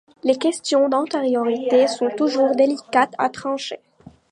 Les questions d'antériorité sont toujours délicates à trancher.